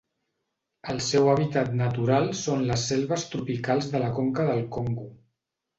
El seu hàbitat natural són les selves tropicals de la conca del Congo.